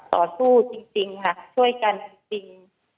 ต่อสู้จริงค่ะช่วยกันจริง